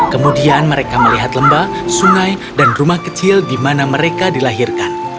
kemudian mereka melihat lembah sungai dan rumah kecil di mana mereka dilahirkan